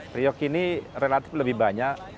priok ini relatif lebih banyak